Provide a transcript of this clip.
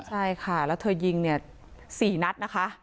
ใช่ค่ะแล้วเธอยิง๔นัดนะคะ